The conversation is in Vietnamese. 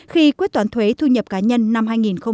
khi quyết toán thuế thu nhập cá nhân năm hai nghìn hai mươi